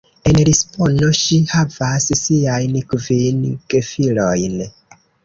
En Lisbono ŝi havas siajn kvin gefilojn.